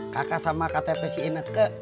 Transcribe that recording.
kakak sama ktp si ineke